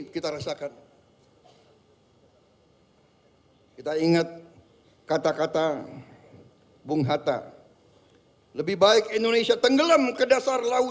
kita tenang tenang dulu